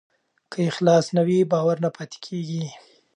که اخلاص نه وي، باور نه پاتې کېږي.